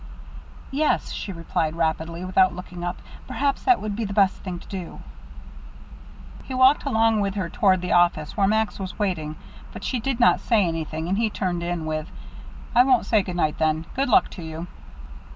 "Yes," she replied rapidly, without looking up, "perhaps that would be the best thing to do." He walked along with her toward the office, where Max was waiting, but she did not say anything, and he turned in with: "I won't say good night, then. Good luck to you."